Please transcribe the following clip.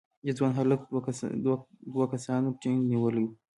یو ځوان هلک دوه کسانو ټینک نیولی و.